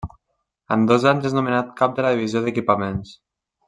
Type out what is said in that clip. En dos anys és nomenat Cap de la divisió d'equipaments.